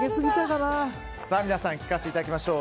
皆さん聞かせていただきましょう。